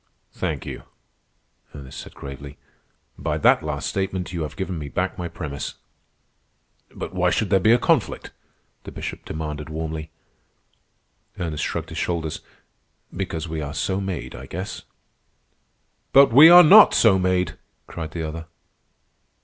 "Thank you," Ernest said gravely. "By that last statement you have given me back my premise." "But why should there be a conflict?" the Bishop demanded warmly. Ernest shrugged his shoulders. "Because we are so made, I guess." "But we are not so made!" cried the other.